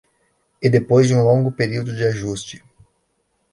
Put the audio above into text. E depois de um longo período de ajuste